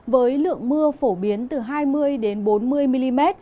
với lượng mưa phổ biến từ hai mươi bốn mươi mm